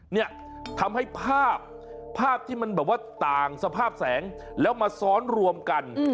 เนี่ยทำให้ภาพภาพที่มันแบบว่าต่างสภาพแสงแล้วมาซ้อนรวมกัน